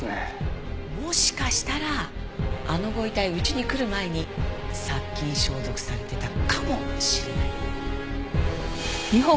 もしかしたらあのご遺体うちに来る前に殺菌消毒されてたかもしれない。